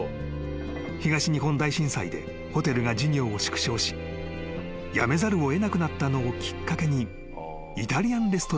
［東日本大震災でホテルが事業を縮小し辞めざるを得なくなったのをきっかけに］